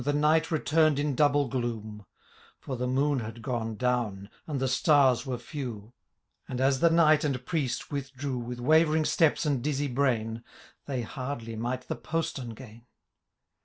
The night returned in double gloom ;.^^^^ Foi themoon had gonedown, and the stars were few ; And, as the Knight and Priest withdrew. With wavering steps and dizzy brain. They hardly might the postern gain.